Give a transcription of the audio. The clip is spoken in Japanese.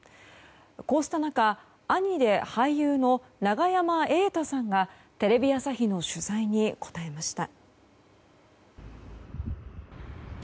こうした中、兄で俳優の永山瑛太さんがテレビ朝日の取材に答えました。